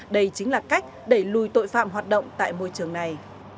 đây chính là cách đẩy lùi tội phạm hoạt động tại môi trường này